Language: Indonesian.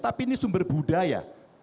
tapi ini sumber budaya